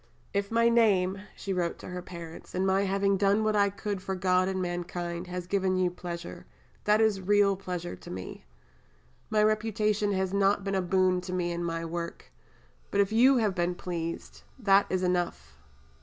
"If my name," she wrote to her parents, "and my having done what I could for God and mankind has given you pleasure, that is real pleasure to me. My reputation has not been a boon to me in my work; but if you have been pleased, that is enough.